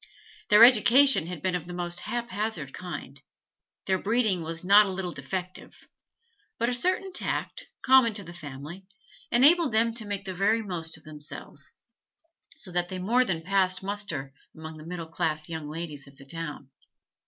Their education had been of the most haphazard kind; their breeding was not a little defective; but a certain tact, common to the family, enabled them to make the very most of themselves, so that they more than passed muster among the middle class young ladies of the town.